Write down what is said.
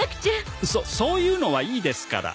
そそういうのはいいですから